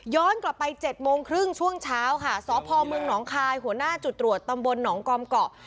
กลับไป๗โมงครึ่งช่วงเช้าค่ะสพเมืองหนองคายหัวหน้าจุดตรวจตำบลหนองกอมเกาะ